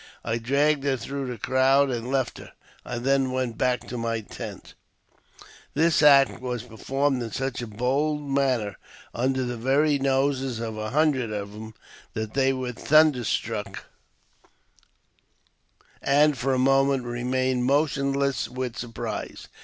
I dragged her through the crowd, and left her ; I then went, back to my tent. 112 AUTOBIOGBAPHY OF This act was performed in such a bold manner, under the very noses of hundreds of them, that they were thunderstruck, and for a moment remained motionless with surprise.